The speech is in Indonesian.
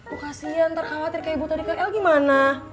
oh kasian ntar khawatir kayak ibu tadi kak el gimana